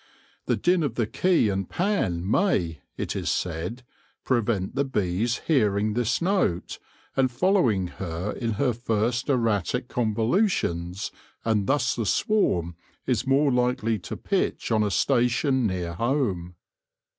The din of the key and pan may, it is said, prevent the bees hearing this note and following her in her first erratic con volutions, and thus the swarm is more likely to pitch on a station near home.